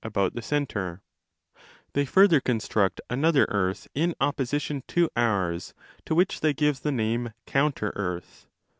293° DE CAELO centre, They further construct another earth in opposition 25 to ours to which they give the name counter earth.!